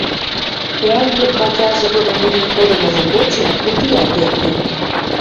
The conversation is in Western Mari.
Тӓнгем патяжы доно мӹньӹм кодымыжы годшен куд иӓт эртен.